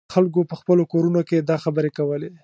خلکو په خپلو کورونو کې دا خبرې کولې.